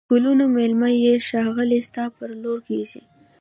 د گلونو مېلمنه یې ښاخلې ستا پر لور کږېږی